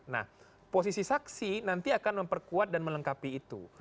nah posisi saksi nanti akan memperkuat dan melengkapi itu